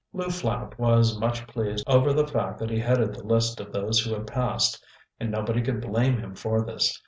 Lew Flapp was much pleased over the fact that he headed the list of those who had passed, and nobody could blame him for this.